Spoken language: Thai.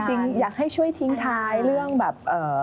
จริงอยากให้ช่วยทิ้งท้ายเรื่องแบบ